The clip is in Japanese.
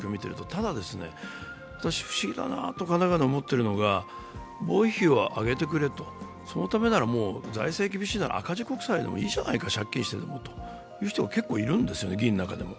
ただ、私、不思議だなとかねがね思っているのは防衛費を上げてくれと、財政が厳しいなら赤字国債でもいいんじゃないか、借金してでもと言う人はいるんですね、議員の中に。